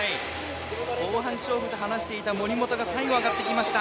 後半勝負と話していた森本が最後、上がってきました。